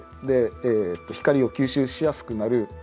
で光を吸収しやすくなる。